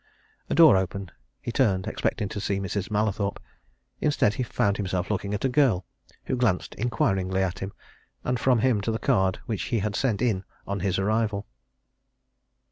A door opened he turned, expecting to see Mrs. Mallathorpe. Instead, he found himself looking at a girl, who glanced inquiringly at him, and from him to the card which he had sent in on his arrival.